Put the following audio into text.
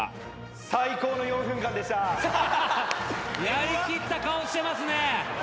やりきった顔してますね。